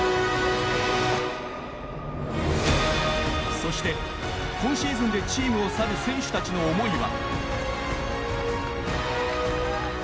そして、今シーズンでチームを去る選手たちの思いは。